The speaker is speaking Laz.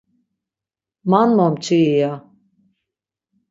Man momçi iya!